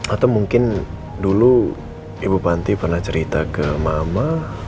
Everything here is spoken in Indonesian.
atau mungkin dulu ibu panti pernah cerita ke mama